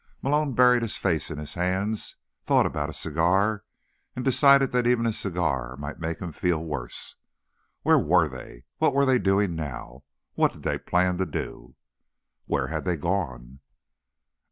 Malone buried his face in his hands, thought about a cigar and decided that even a cigar might make him feel worse. Where were they? What were they doing now? What did they plan to do? Where had they gone?